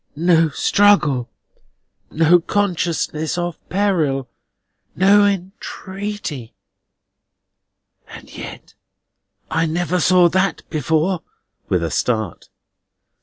No struggle, no consciousness of peril, no entreaty—and yet I never saw that before." With a start.